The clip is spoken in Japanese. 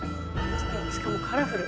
しかもカラフル。